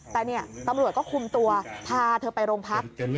แต่นี่ตำรวจก็คุมตัวพาเธอไปโรงพัก